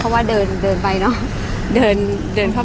ภาษาสนิทยาลัยสุดท้าย